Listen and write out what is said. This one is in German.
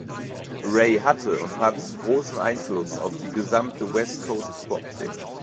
Ray hatte und hat großen Einfluss auf die gesamte West-Coast-Hip-Hop-Szene.